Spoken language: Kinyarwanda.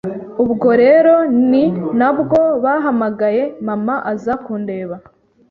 Ubwo rero ni nabwo bahamagaye mama aza kundeba